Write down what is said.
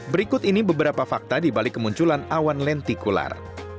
berikut ini beberapa fakta di balik kemunculan awan lentikular